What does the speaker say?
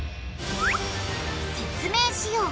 説明しよう。